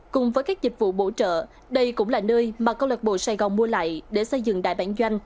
cùng với các dịch vụ bổ trợ đây cũng là nơi mà câu lạc bộ sài gòn mua lại để xây dựng đại bản doanh